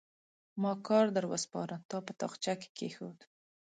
ما کار در وسپاره؛ تا په تاخچه کې کېښود.